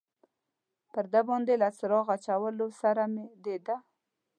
پر ده باندې له څراغ اچولو سره مې د ده.